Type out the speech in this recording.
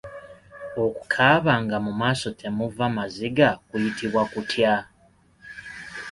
Okukaaba nga mu maaso temuva maziga kuyitibwa kutya?